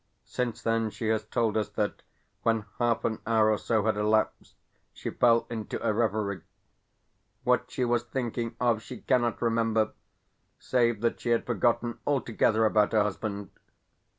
Since then she has told us that when half an hour or so had elapsed she fell into a reverie. What she was thinking of she cannot remember, save that she had forgotten altogether about her husband.